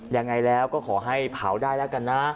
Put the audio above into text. ยังไงแล้วก็ขอให้เผาได้แล้วกันนะ